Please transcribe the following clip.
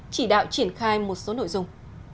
chỉ đạo triển khai một số nội dung